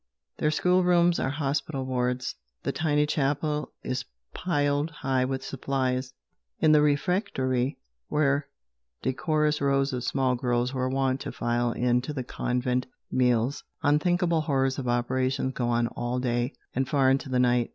Their schoolrooms are hospital wards, the tiny chapel is piled high with supplies; in the refectory, where decorous rows of small girls were wont to file in to the convent meals, unthinkable horrors of operations go on all day and far into the night.